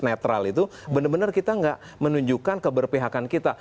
netral itu benar benar kita nggak menunjukkan keberpihakan kita